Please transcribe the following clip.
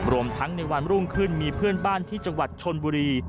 รวมทั้งในวันรุ่งขึ้นมีเพื่อนบ้านที่จังหวัดชนบุรี